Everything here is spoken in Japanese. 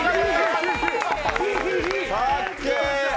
かっけー！